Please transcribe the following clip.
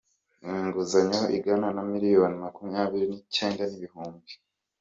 inguzanyo ingana na miliyoni makumyabiri n‟icyenda n‟ibihumbi